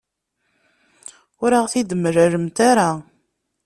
Ur aɣ-t-id-temlamt ara.